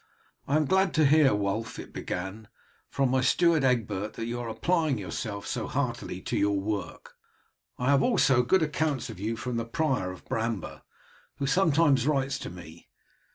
"I am glad to hear, Wulf," it began, "from my steward, Egbert, that you are applying yourself so heartily to your work. I have also good accounts of you from the Prior of Bramber, who sometimes writes to me.